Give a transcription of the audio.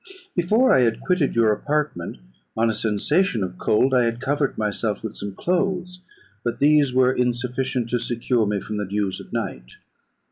Before I had quitted your apartment, on a sensation of cold, I had covered myself with some clothes; but these were insufficient to secure me from the dews of night.